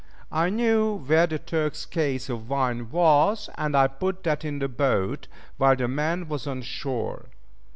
I knew where the Turk's case of wine was, and I put that in the boat while the man was on shore.